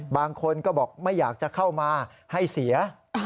บางคนก็บอกไม่อยากจะเข้ามาให้เสีย